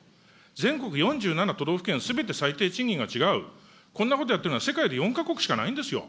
全国４７都道府県すべて最低賃金が違う、こんなことやっているのは世界で４か国しかないんですよ。